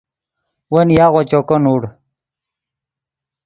ون یاغو چوکو نوڑ